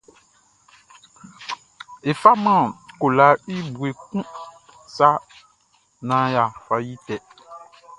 E faman kolaʼn i bue kun sa naan yʼa yi tɛ.